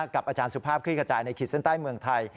กับอาจารย์สุภาพคลิกกระจายในขีดเส้นใต้เมืองไทย